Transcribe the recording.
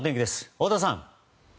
太田さん。